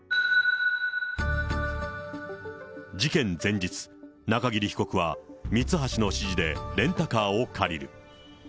事件前日、中桐被告はミツハシの指示でレンタカーを借りる。